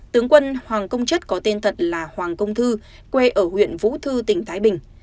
tướng quân hoàng công chất có tên thật là hoàng công thư quê ở huyện vũ thư tỉnh thái bình